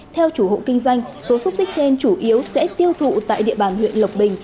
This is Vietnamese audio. theo chủ hộ kinh doanh số xúc tích trên chủ yếu sẽ tiêu thụ tại địa bàn huyện lộc bình